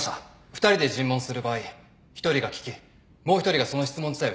２人で尋問する場合一人が聞きもう一人がその質問自体を否定します。